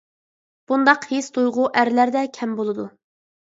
بۇنداق ھېس تۇيغۇ ئەرلەردە كەم بولىدۇ.